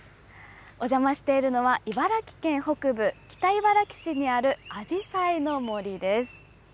お邪魔しているのは、茨城県北部、北茨城市にあるあじさいの森です。